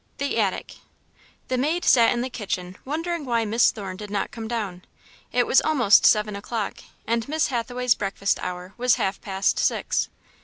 The Attic The maid sat in the kitchen, wondering why Miss Thorne did not come down. It was almost seven o'clock, and Miss Hathaway's breakfast hour was half past six.